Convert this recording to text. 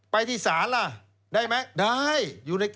ไปที่ศาลล่ะได้ไหมได้